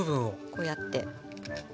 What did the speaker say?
こうやって。